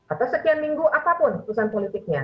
atau sekian minggu apapun keputusan politiknya